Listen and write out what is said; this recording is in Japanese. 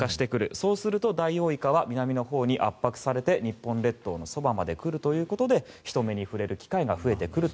そうするとダイオウイカは南のほうに圧迫されて日本列島のそばまで来るということで人目に触れる機会が増えてくると。